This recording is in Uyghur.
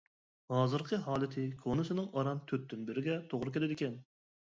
ھازىرقى ھالىتى كونىسىنىڭ ئاران تۆتتىن بىرىگە توغرا كېلىدىكەن.